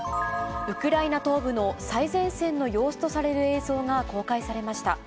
ウクライナ東部の最前線の様子とされる映像が公開されました。